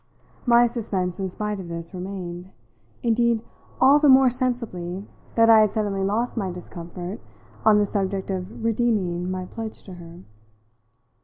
My suspense, in spite of this, remained indeed all the more sensibly that I had suddenly lost my discomfort on the subject of redeeming my pledge to her.